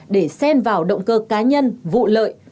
để sen vào động cơ cá nhân vụ lợi